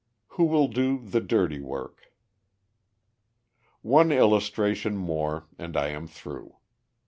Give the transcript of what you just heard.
Who Will Do the Dirty Work? One illustration more and I am through.